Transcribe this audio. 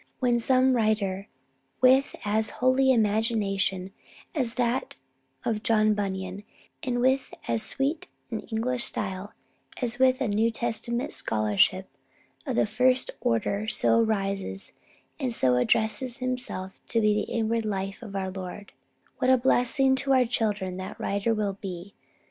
When some writer with as holy an imagination as that of John Bunyan, and with as sweet an English style, and with a New Testament scholarship of the first order so arises, and so addresses himself to the inward life of our Lord, what a blessing to our children that writer will be!